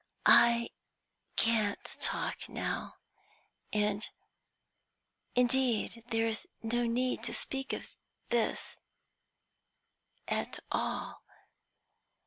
"I can't talk now and indeed there is no need to speak of this at all.